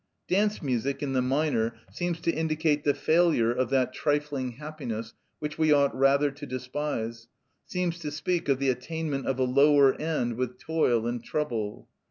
Dance music in the minor seems to indicate the failure of that trifling happiness which we ought rather to despise, seems to speak of the attainment of a lower end with toil and trouble.